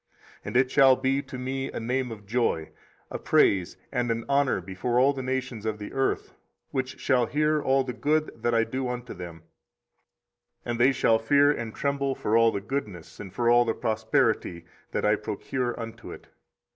24:033:009 And it shall be to me a name of joy, a praise and an honour before all the nations of the earth, which shall hear all the good that I do unto them: and they shall fear and tremble for all the goodness and for all the prosperity that I procure unto it.